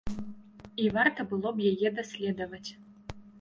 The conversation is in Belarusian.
І варта было б яе даследаваць.